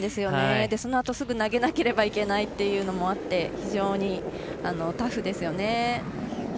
そのあとすぐ投げなければいけないというのもあって非常にタフですよね。